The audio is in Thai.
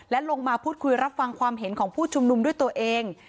และลงมาพูดคุยรับฟังความเห็นของผู้ชุมนุมด้วยตัวเอง